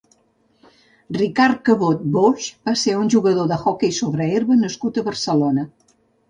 Ricard Cabot Boix va ser un jugador d'hoquei sobre herba nascut a Barcelona.